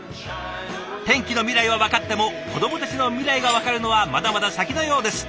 天気の未来は分かっても子どもたちの未来が分かるのはまだまだ先のようです。